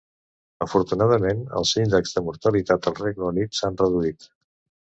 Afortunadament, els índexs de mortalitat al Regne Unit s'han reduït